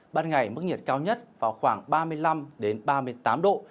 ban ngày mức nhiệt cao nhất vào khoảng ba mươi năm ba mươi tám độ